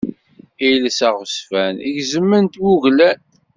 Iles aɣezfan gezzmen-t wuglan.